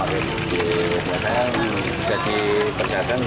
ya dan jadi pedagang